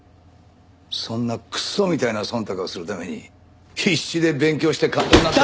そんなクソみたいな忖度をするために必死で勉強して官僚になったのかよ。